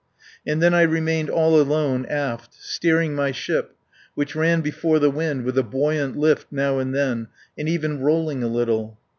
And then I remained all alone aft, steering my ship, which ran before the wind with a buoyant lift now and then, and even rolling a little.